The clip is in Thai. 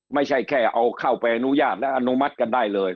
ไม่ใช่แค่เอาเข้าไปอนุญาตและอนุมัติกันได้เลย